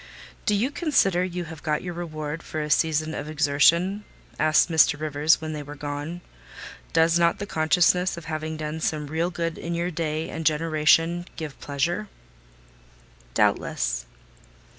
"Do you consider you have got your reward for a season of exertion?" asked Mr. Rivers, when they were gone. "Does not the consciousness of having done some real good in your day and generation give pleasure?" "Doubtless."